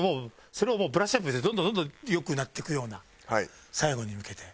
それをもうブラッシュアップしてどんどんどんどん良くなっていくような最後に向けて。